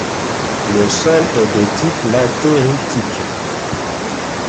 Le sol est de type latéritique.